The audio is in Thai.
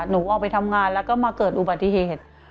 หนูออกไปทำงานแล้วก็มาเกิดอุบัติเหตุ